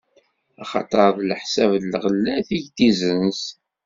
Axaṭer d leḥsab n lɣellat i k-d-izzenz.